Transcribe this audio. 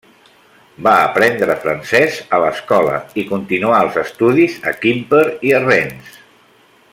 Va aprendre francès a l'escola i continuà els estudis a Quimper i a Rennes.